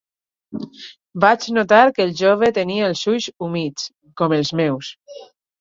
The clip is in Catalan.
Vaig notar que el jove tenia els ulls humits, com els meus.